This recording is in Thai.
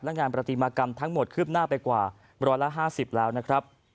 และงานประติมากรรมทั้งหมดขึ้บหน้าไปกว่าร้อยละห้าสิบแล้วนะครับ